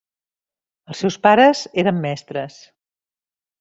Els seus pares eren mestres.